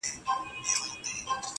د ترخو میو خوږو یارانو.